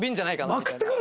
まくってくる？